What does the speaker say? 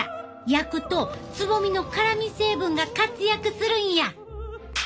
焼くとつぼみの辛み成分が活躍するんや。